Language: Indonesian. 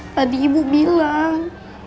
tadi ibu bilang